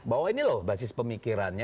bahwa ini loh basis pemikirannya